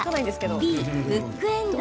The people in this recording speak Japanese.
Ｂ・ブックエンド。